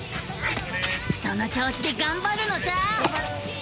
その調子でがんばるのさ！